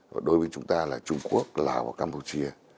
và đối với chúng ta là trung quốc lào và campuchia